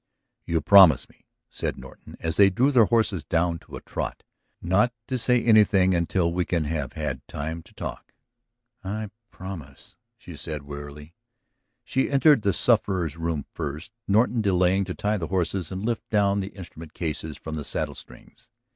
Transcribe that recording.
"You promise me," said Norton as they drew their horses down to a trot, "not to say anything until we can have had time to talk?" "I promise," she said wearily. She entered the sufferer's room first, Norton delaying to tie the horses and lift down the instrument cases from the saddle strings.